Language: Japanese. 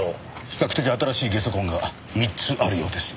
比較的新しい下足痕が３つあるようです。